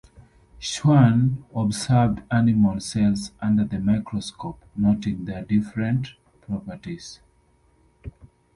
Schwann observed animal cells under the microscope, noting their different properties.